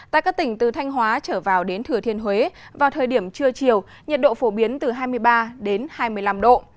tại các tỉnh từ thanh hóa trở vào đến thừa thiên huế vào thời điểm trưa chiều nhiệt độ phổ biến từ hai mươi ba hai mươi năm độ